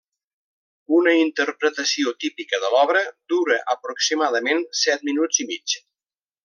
Una interpretació típica de l'obra dura aproximadament set minuts i mig.